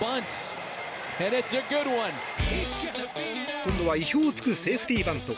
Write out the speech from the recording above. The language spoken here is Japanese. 今度は意表を突くセーフティーバント。